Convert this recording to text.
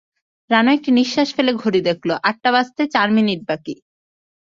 রানু একটি নিশ্বাস ফেলে ঘড়ি দেখল, আটটা বাজতে চার মিনিট বাকি।